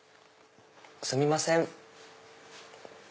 すみません。